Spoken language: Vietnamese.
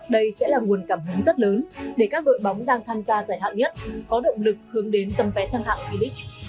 đây sẽ là nguồn cảm hứng rất lớn để các đội bóng đang tham gia giải hạng nhất có động lực hướng đến tầm vé thăng hạng vlic